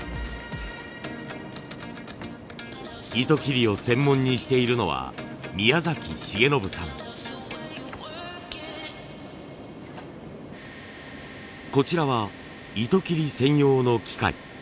糸切りを専門にしているのはこちらは糸切り専用の機械。